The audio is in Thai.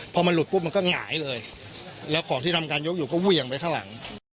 พอมันหลุดปุ๊บมันก็หงายเลยแล้วของที่ทำการยกอยู่ก็เหวี่ยงไปข้างหลัง